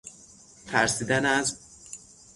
ترسیدن از